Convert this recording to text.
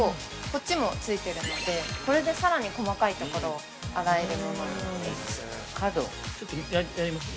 こっちもついてるので、これで更に細かい所を洗えるものになってます。